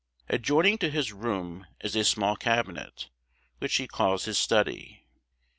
Adjoining to his room is a small cabinet, which he calls his study.